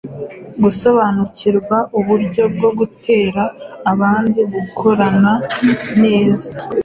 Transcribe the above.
gusobanukirwa uburyo bwo gutera abandi gukorana neza.